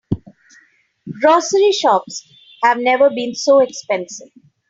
Grocery shops have never been so expensive.